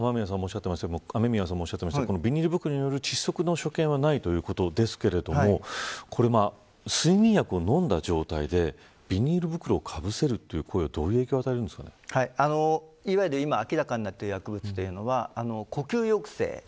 雨宮さんもおっしゃっていましたがビニール袋による窒息の所見はないということですが睡眠薬を飲んだ状態でビニール袋をかぶせるというのは明らかになっている薬物は呼吸抑制です。